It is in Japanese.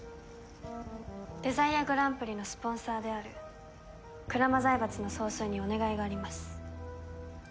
デザイアグランプリのスポンサーである鞍馬財閥の総帥にお願いがあります。